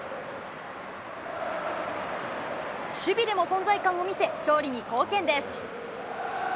守備でも存在感を見せ、勝利に貢献です。